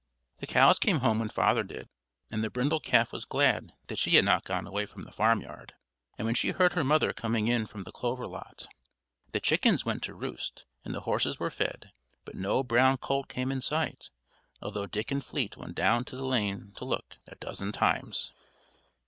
The cows came home when father did, and the brindle calf was glad that she had not gone away from the farmyard when she saw her mother come in from the clover lot. The chickens went to roost, and the horses were fed; but no brown colt came in sight, although Dick and Fleet went down the lane to look, a dozen times.